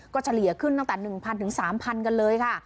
ก็เฉลี่ยขึ้นตั้งแต่หนึ่งพันถึงสามพันกันเลยค่ะ